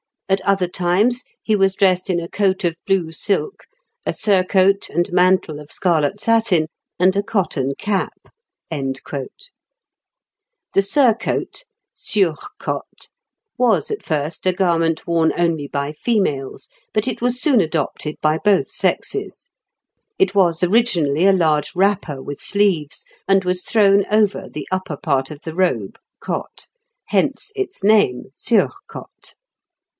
At other times he was dressed in a coat of blue silk, a surcoat and mantle of scarlet satin, and a cotton cap." The surcoat (sur cotte) was at first a garment worn only by females, but it was soon adopted by both sexes: it was originally a large wrapper with sleeves, and was thrown over the upper part of the robe (cotte), hence its name, _sur cotte.